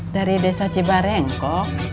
dari desa cibarengko